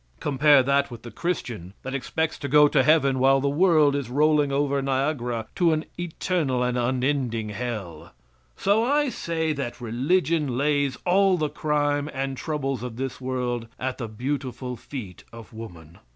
Compare that with the Christian that expects to go to Heaven while the world is rolling over Niagara to an eternal and unending Hell. So I say that religion lays all the crime and troubles of this world at the beautiful feet of woman.